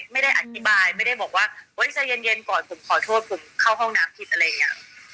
ไม่ได้อธิบายไม่ได้บอกว่าเฮ้ยใจเย็นก่อนผมขอโทษผมเข้าห้องน้ำผิดอะไรอย่างนี้